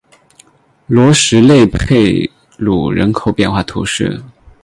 罗什勒佩鲁人口变化图示